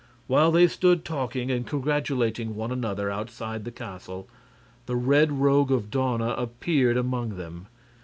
While they stood talking and congratulating one another outside of the castle, the Red Rogue of Dawna appeared among them.